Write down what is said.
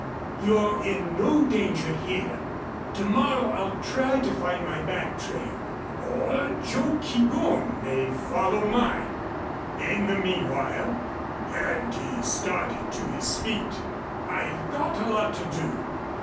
You're in no danger here. To morrow I'll try to find my back trail or Joe Keegón may follow mine. In the meanwhile" and he started to his feet, "I've got a lot to do.